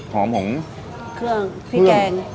ของเครื่องพริกแกง